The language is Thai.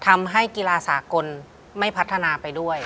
ที่ผ่านมาที่มันถูกบอกว่าเป็นกีฬาพื้นบ้านเนี่ย